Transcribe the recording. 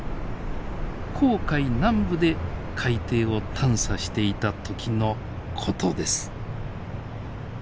紅海南部で海底を探査していた時のことです。